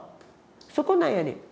そこなんやねん。